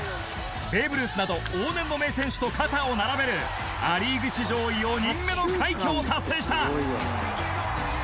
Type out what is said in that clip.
ベーブ・ルースなど往年の名選手と肩を並べるア・リーグ史上４人目の快挙を達成した。